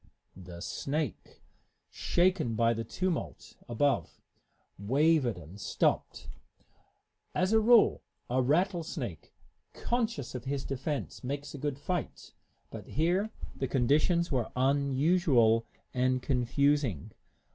The snake, shaken by the tumult above, wavered and stopped. As a rule, a rattlesnake, conscious of his defense, makes a good fight; but here the conditions were unusual and confusing.